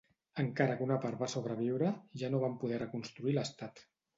Encara que una part va sobreviure, ja no van poder reconstruir l'estat.